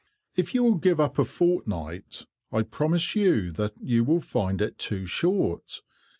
"If you will give up a fortnight, I promise you that you will find it too short.